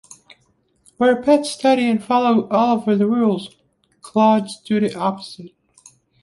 Where pets study and follow all of the rules, clods do the opposite.